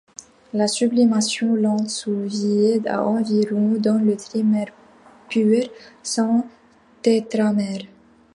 La sublimation lente sous vide à environ donne le trimère pur, sans tétramère.